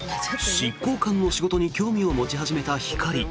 執行官の仕事に興味を持ち始めたひかり。